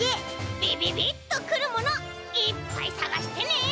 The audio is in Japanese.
びびびっとくるものいっぱいさがしてね！